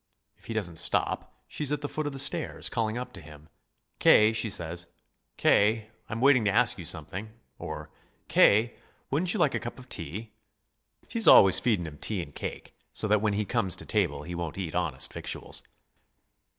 If he doesn't stop, she's at the foot of the stairs, calling up to him. 'K.,' she says, 'K., I'm waiting to ask you something!' or, 'K., wouldn't you like a cup of tea?' She's always feedin' him tea and cake, so that when he comes to table he won't eat honest victuals."